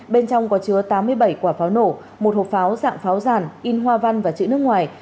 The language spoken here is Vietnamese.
bên trong có chứa tám mươi bảy quả pháo nổ một hộp pháo dạng pháo ràn in hoa văn và chữ nước ngoài